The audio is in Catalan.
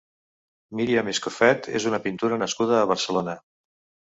Miriam Escofet és una pintora nascuda a Barcelona.